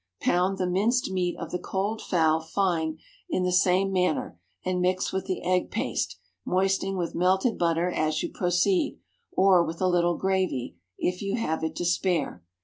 Pound the minced meat of the cold fowl fine in the same manner, and mix with the egg paste, moistening with melted butter as you proceed, or with a little gravy, if you have it to spare.